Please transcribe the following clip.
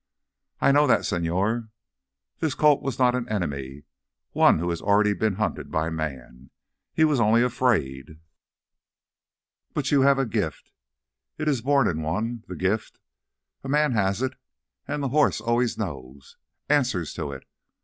"I know that, señor. This colt was not an enemy, one who has already been hunted by man. He was only afraid...." "But you have the gift. It is born in one—the gift. A man has it, and the horse always knows, answers to it.